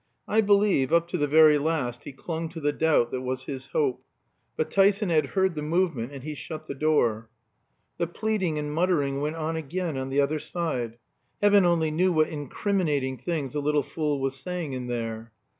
I believe up to the very last he clung to the doubt that was his hope. But Tyson had heard the movement and he shut the door. The pleading and muttering went on again on the other side. Heaven only knew what incriminating things the little fool was saying in there!